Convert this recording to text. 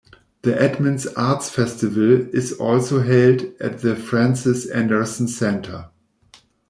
The Edmonds Arts Festival is also held at the Frances Anderson Center.